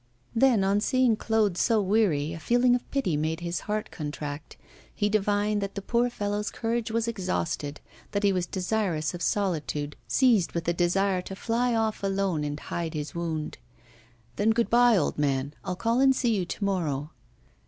Then, on seeing Claude so weary, a feeling of pity made his heart contract. He divined that the poor fellow's courage was exhausted, that he was desirous of solitude, seized with a desire to fly off alone and hide his wound. 'Then, good bye, old man: I'll call and see you to morrow.